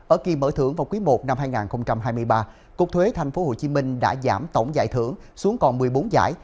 ở kỳ mở thưởng vào quý i năm hai nghìn hai mươi ba cục thuế tp hcm đã giảm tổng giải thưởng xuống còn một mươi bốn giải